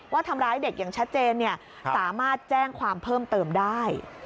ทำร้ายเด็กอย่างชัดเจนสามารถแจ้งความเพิ่มเติมได้